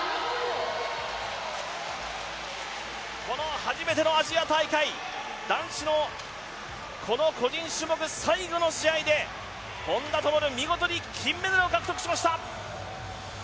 この、初めてのアジア大会男子の、この個人種目最後の試合で本多灯見事に金メダルを獲得しました。